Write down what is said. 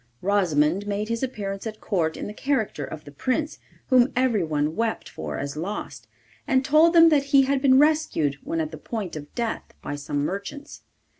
Rosimond made his appearance at Court in the character of the Prince, whom everyone wept for as lost, and told them that he had been rescued when at the point of death by some merchants.